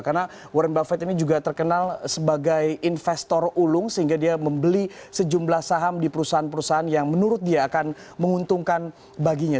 karena warren buffett ini juga terkenal sebagai investor ulung sehingga dia membeli sejumlah saham di perusahaan perusahaan yang menurut dia akan menguntungkan baginya